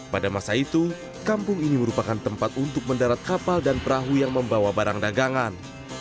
pada masa itu kampung ini merupakan tempat untuk mendarat kapal dan perahu yang membawa barang dagangan